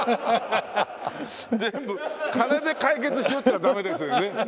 全部金で解決しようっていうのはダメですよね。